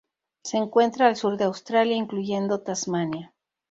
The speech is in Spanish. Se encuentra al sur de Australia, incluyendo Tasmania.